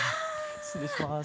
失礼します。